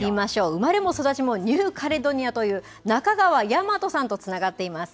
生まれも育ちもニューカレドニアという、中川大和さんとつながっています。